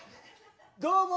どうも。